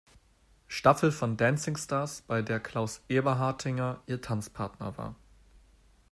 Staffel von Dancing Stars, bei der Klaus Eberhartinger ihr Tanzpartner war.